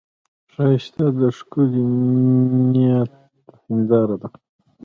ښایست د ښکلي نیت هنداره ده